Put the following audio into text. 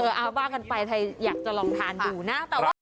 เออเอาบ้างกันไปถ้าอยากจะลองทานดูนะ